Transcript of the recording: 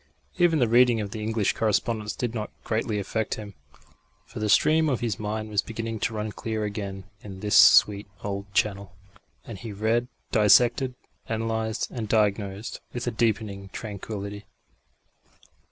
Even the reading of the English correspondence did not greatly affect him, for the stream of his mind was beginning to run clear again in this sweet old channel; and he read, dissected, analysed and diagnosed with a deepening tranquillity.